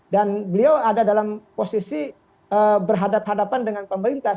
dan beliau ada dalam posisi berhadapan hadapan dengan pemerintah